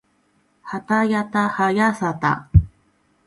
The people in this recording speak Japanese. はたやたはやさた